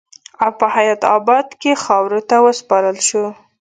او پۀ حيات اباد کښې خاورو ته وسپارل شو